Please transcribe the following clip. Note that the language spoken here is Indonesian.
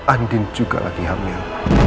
andin juga lagi hamil